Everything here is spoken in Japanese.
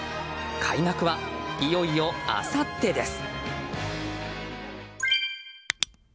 開幕は、いよいよあさってです。